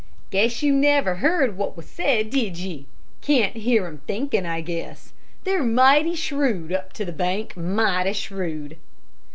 "Guess ye never heard what was said, did ye? Can't hear 'em thinkin', I guess. They're mighty shreüd up to the bank, mighty shreüd."